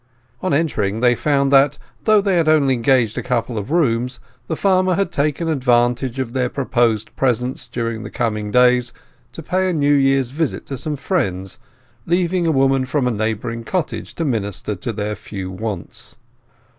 On entering they found that, though they had only engaged a couple of rooms, the farmer had taken advantage of their proposed presence during the coming days to pay a New Year's visit to some friends, leaving a woman from a neighbouring cottage to minister to their few wants.